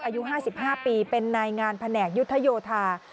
อายุ๕๕ปีเป็นนายงานแผนกยุทธโยธา